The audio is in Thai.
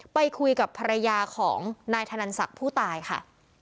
ไปคุยกับภรรยาของนายธนันศักดิ์ผู้ตายค่ะ